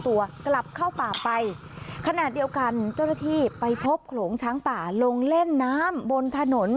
ที่ไปพบโขลงช้างป่าลงเล่นน้ำบนถนน